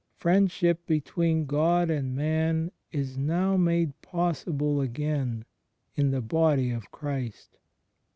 '' Friendship between God and man is now made pos sible again, in the Body of Christ.